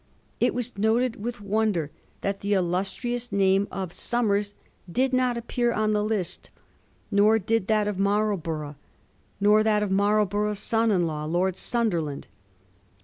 It was noted with wonder that the illustrious name of Somers did not appear on the list, nor did that of Marlborough nor that of Marlborough's son in law. Lord Sunderland.